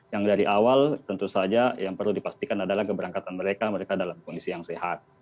yang dari awal tentu saja yang perlu dipastikan adalah keberangkatan mereka mereka dalam kondisi yang sehat